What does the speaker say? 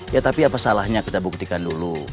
ya tapi apa salahnya kita buktikan dulu